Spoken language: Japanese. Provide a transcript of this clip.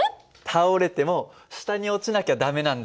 倒れても下に落ちなきゃ駄目なんだよ。